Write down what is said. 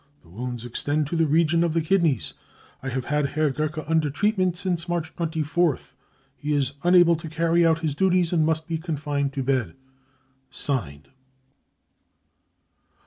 The wounds extend to the region of the kidneys. I have had Herr Gerke under treatment since March 24th. He is unable to carry out his duties and must be confined to bed." {Signed.)